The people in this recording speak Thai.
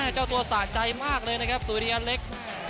เจ้าตัวสะใจมากเลยนะครับสุริยันเล็ก